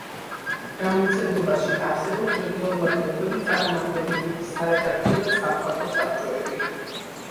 გამომცემლობაში არსებობს რეგულარულად მოქმედი წარმომადგენლობითი სარედაქციო და სამხატვრო საბჭოები.